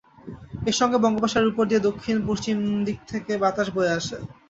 এর সঙ্গে বঙ্গোপসাগরের ওপর দিয়ে দক্ষিণ পশ্চিম দিক থেকে বাতাস বয়ে আসে।